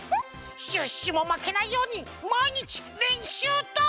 シュッシュもまけないようにまいにちれんしゅうだ！